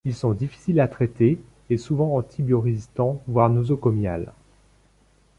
Elles sont difficiles à traiter, et souvent antibiorésistantes voire nosocomiales.